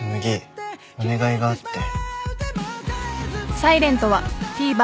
紬お願いがあって。